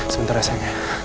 sebentar ya sayangnya